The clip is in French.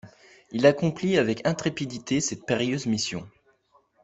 Il accomplit avec intrépidité cette périlleuse mission.